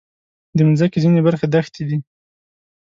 د مځکې ځینې برخې دښتې دي.